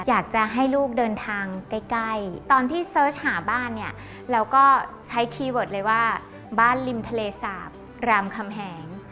อยากจะให้ลูกเดินทางใกล้ตอนที่เสิร์ชหาบ้านเนี่ยเราก็ใช้คีย์เวิร์ดเลยว่าบ้านริมทะเลสาบรามคำแหง